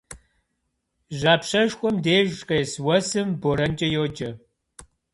Жьапщэшхуэм деж къес уэсым борэнкӏэ йоджэ.